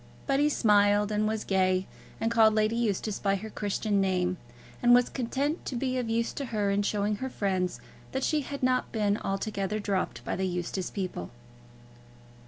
But he smiled, and was gay, and called Lady Eustace by her Christian name, and was content to be of use to her in showing her friends that she had not been altogether dropped by the Eustace people.